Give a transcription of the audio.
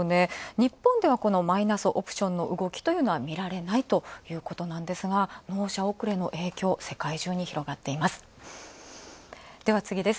日本では、このマイナスオプションの動きというのはみられないということなんですが納車遅れの影響は世界中に広がっています。